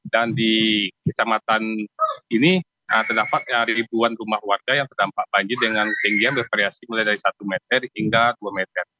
dan di kisah matan ini terdapat ribuan rumah warga yang terdampak banjir dengan tinggi yang bervariasi mulai dari satu meter hingga dua meter